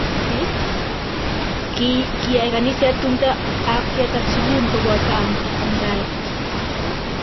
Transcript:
Kiyay kaniset tumdo ab ketar sukul kobato amndaet